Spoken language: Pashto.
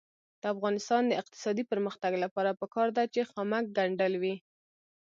د افغانستان د اقتصادي پرمختګ لپاره پکار ده چې خامک ګنډل وي.